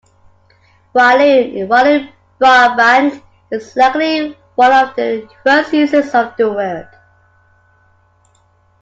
"Walloon" in "Walloon Brabant" is likely one of the first uses of the word.